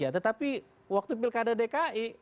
tetapi waktu pilkada dki